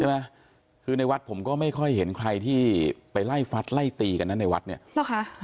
ใช่ไหมคือในวัดผมก็ไม่ค่อยเห็นใครที่ไปไล่ฟัดไล่ตีกันนั้นในวัดเนี้ยแล้วค่ะ